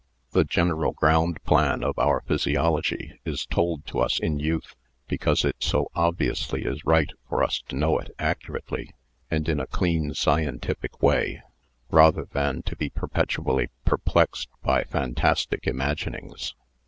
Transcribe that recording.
The general ground plan of our physiology is told to us in youth because it so obviously is right for us to know it accurately and in a clean scientific way, rather than to be perpetually perplexed by fantastic imaginings.